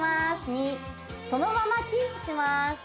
ニッそのままキープします